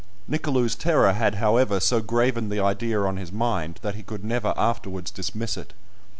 Nicolou's terror had, however, so graven the idea on his mind, that he could never afterwards dismiss it.